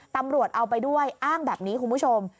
ตำรวจเอาไปด้วยอ้างแบบนี้คุณผู้ชม